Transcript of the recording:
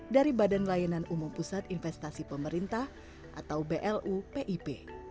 dari badan layanan umum pusat investasi pemerintah atau blu pip